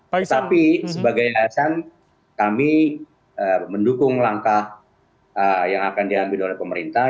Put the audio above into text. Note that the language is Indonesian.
tapi sebagai alasan kami mendukung langkah yang akan diambil oleh pemerintah